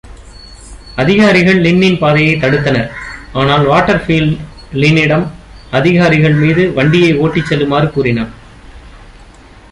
அதிகாரிகள் லின்னின் பாதையைத் தடுத்தனர், ஆனால் வாட்டர்ஃபீல்ட் லினிடம் அதிகாரிகள் மீது வண்டியை ஓட்டி செல்லுமாறு கூறினான்.